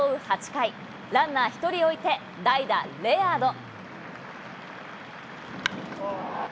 ８回、ランナー１人を置いて、代打、レアード。